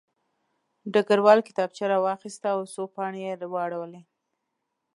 ډګروال کتابچه راواخیسته او څو پاڼې یې واړولې